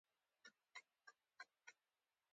ایا زه باید زیارت ته لاړ شم؟